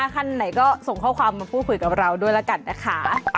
ขั้นไหนก็ส่งข้อความมาพูดคุยกับเราด้วยแล้วกันนะคะ